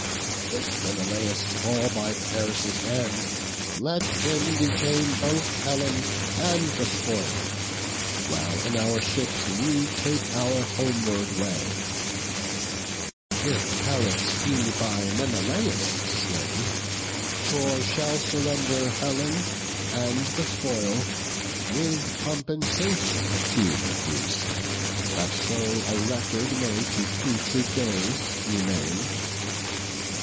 If Menelaus fall by Paris' hand, Let him retain both Helen and the spoil, While in our ships we take our homeward way; If Paris be by Menelaus slain, Troy shall surrender Helen and the spoil, With compensation due to Greece, that so A record may to future days remain.